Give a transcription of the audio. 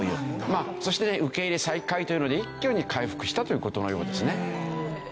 まあそしてね受け入れ再開というので一挙に回復したという事のようですね。